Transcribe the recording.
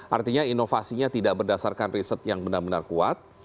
artinya inovasinya tidak berdasarkan riset yang benar benar kuat